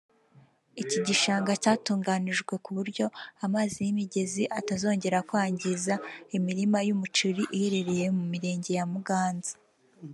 Iki gishanga cyatunganijwe ku buryo amazi y’imigezi atazongera kwangiza imirima y’umuceri iherereye mu mirenge ya Muganza